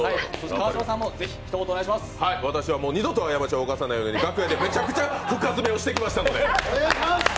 私はもう二度と過ちをおかさないように、楽屋でめちゃくちゃ深爪をしてきましたので。